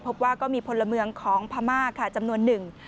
พบว่าก็มีพลเมืองของพม่าค่ะจำนวนหนึ่ง